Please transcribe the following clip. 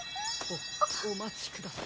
おおまちください。